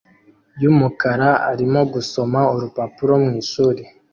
yumukara arimo gusoma urupapuro mwishuri